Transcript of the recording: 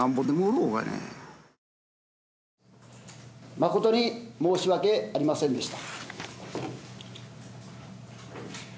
誠に申し訳ありませんでした。